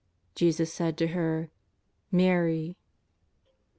Jesus said to her: " ^fary."